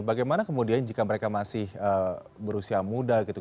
bagaimana kemudian jika mereka masih berusia muda gitu